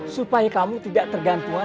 supaya kamu tidak tergantungan